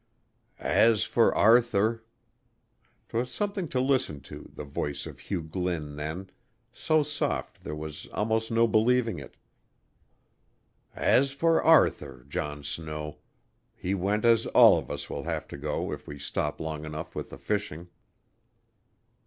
"As for Arthur" 'twas something to listen to, the voice of Hugh Glynn then, so soft there was almost no believing it "as for Arthur, John Snow, he went as all of us will have to go if we stop long enough with the fishing."